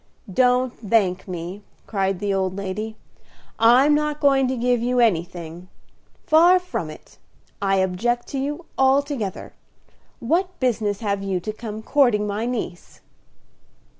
"Don't thank me," cried the old lady. "I'm not going to give you anything, far from it. I object to you altogether. What business have you to come courting my niece?"